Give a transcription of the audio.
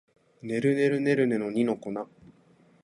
ねるねるねるねの二の粉